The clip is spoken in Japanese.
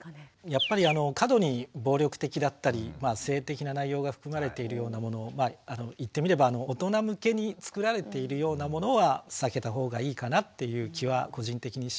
やっぱり過度に暴力的だったり性的な内容が含まれているようなものまあ言ってみれば大人向けに作られているようなものは避けた方がいいかなっていう気は個人的にします。